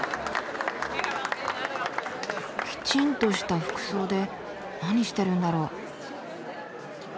きちんとした服装で何してるんだろう？